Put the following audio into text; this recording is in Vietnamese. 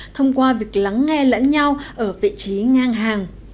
thông qua việc lắng nghe lẫn nhau ở vị trí ngang hàng